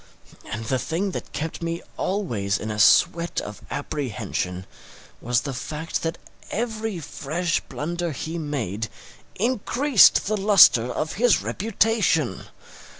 And the thing that kept me always in a sweat of apprehension was the fact that every fresh blunder he made increased the lustre of his reputation!